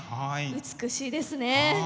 美しいですね。